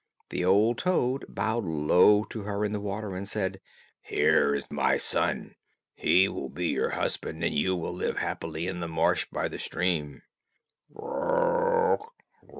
The old toad bowed low to her in the water, and said, "Here is my son, he will be your husband, and you will live happily in the marsh by the stream."